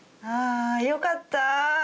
あよかった。